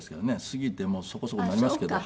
過ぎてもうそこそこになりますけど。